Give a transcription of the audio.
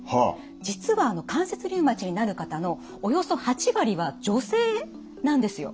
実は関節リウマチになる方のおよそ８割は女性なんですよ。